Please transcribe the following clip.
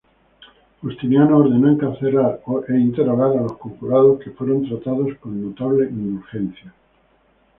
Justiniano ordenó encarcelar e interrogar a los conjurados, que fueron tratados con notable indulgencia.